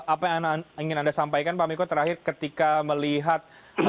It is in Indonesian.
apa yang ingin anda sampaikan pak miko terakhir ketika melihat